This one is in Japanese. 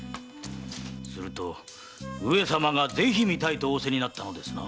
すると上様が是非見たいと仰せになったのですな？